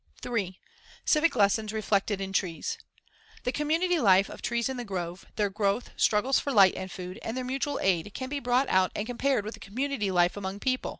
3. Civic lessons reflected in trees: The community life of trees in the grove, their growth, struggles for light and food and their mutual aid can be brought out and compared with the community life among people.